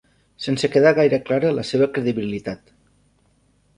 Sense quedar gaire clara la seva credibilitat.